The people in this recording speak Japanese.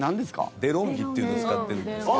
デロンギっていうのを使ってるんですけど。